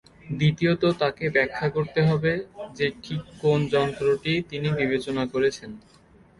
দ্বিতীয়ত, তাকে ব্যাখ্যা করতে হবে যে ঠিক কোন "যন্ত্র"টি তিনি বিবেচনা করছেন।